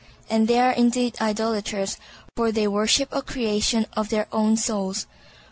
And they are indeed idolators, for they worship a creation of their own souls.